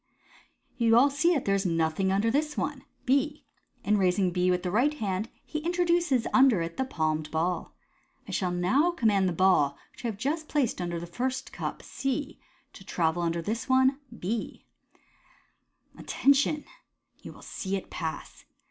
You all see that there is nothing under this one " (B). In raising B with the right hand he introduces under it the palmed ball. u I shall now command the ball which I have just placed under the first cup (C) to travel under this one (B). Attention J 282 MODERN MAGIC. and you will see it pass."